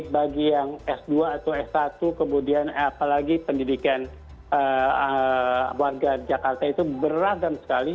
bagi yang s dua atau s satu kemudian apalagi pendidikan warga jakarta itu beragam sekali